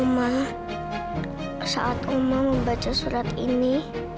mama saat mama membaca surat ini